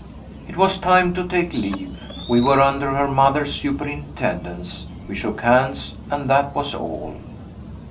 It was time to take leave. We were under her mother's superintendence; we shook hands and that was all.